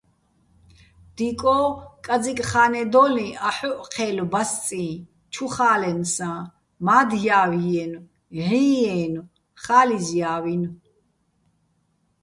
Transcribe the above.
დიკო́, კაძიკ ხა́ნედოლიჼ აჰ̦ოჸ ჴე́ლო̆ ბასწიჼ, ჩუ ხა́ლენსაჼ, მა́დჲავჲიენო̆, "ჵიი"-აჲნო̆, ხალიზჲავინო̆.